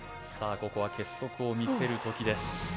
ここは結束を見せる時です